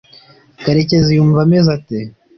karekezi yumva ameze ate